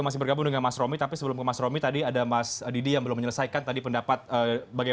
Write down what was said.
silahkan mas didi